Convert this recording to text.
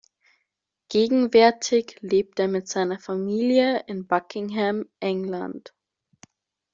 Gegenwärtig lebt er mit seiner Familie in Buckingham, England.